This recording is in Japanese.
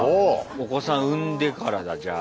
お子さん産んでからだじゃあ。